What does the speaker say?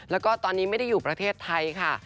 แล้วก็ตอนนี้ไม่ได้อยู่ประเทศไทยค่ะ